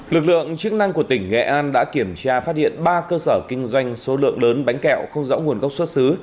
lực lượng chức năng của tỉnh nghệ an đã kiểm tra phát hiện ba cơ sở kinh doanh số lượng lớn bánh kẹo không rõ nguồn gốc xuất xứ